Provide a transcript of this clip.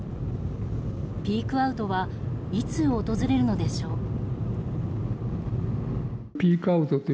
ピークアウトはいつ訪れるのでしょう。